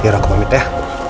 biar aku pamit ya